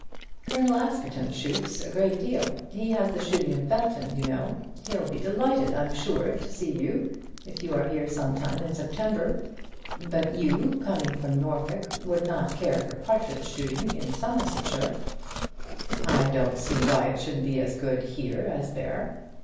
"Colonel Askerton shoots a great deal. He has the shooting of Belton, you know. He'll be delighted, I'm sure, to see you if you are here some time in September. But you, coming from Norfolk, would not care for partridge shooting in Somersetshire." "I don't see why it shouldn't be as good here as there."